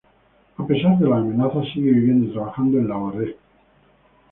A pesar de las amenazas sigue viviendo y trabajando en Lahore.